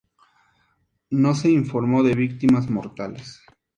No se informó de víctimas mortales.